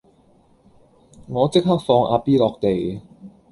我即刻放阿 B 落地